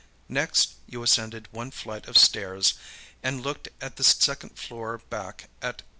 Next you ascended one flight of stairs and looked at the second floor back at $8.